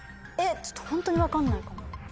ちょっと本当に分かんないかも。